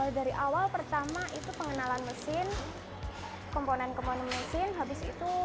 dari awal pertama itu pengenalan mesin komponen komponen mesin habis itu